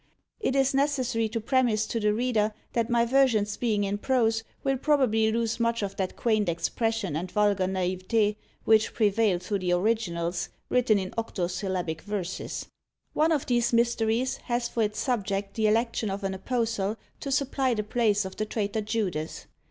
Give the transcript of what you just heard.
It is necessary to premise to the reader, that my versions being in prose will probably lose much of that quaint expression and vulgar naïveté which prevail through the originals, written in octo syllabic verses. One of these Mysteries has for its subject the election of an apostle to supply the place of the traitor Judas.